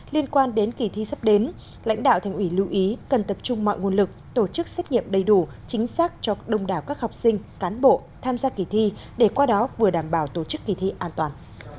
liên quan đến kỳ thi sắp đến lãnh đạo thành ủy lưu ý cần tập trung mọi nguồn lực tổ chức xét nghiệm đầy đủ chính xác cho đông đảo các học sinh cán bộ tham gia kỳ thi để qua đó vừa đảm bảo tổ chức kỳ thi an toàn